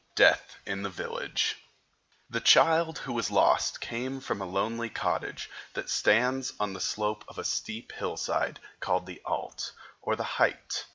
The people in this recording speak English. Death in the Village The child who was lost came from a lonely cottage that stands on the slope of a steep hillside called the Allt, or the height.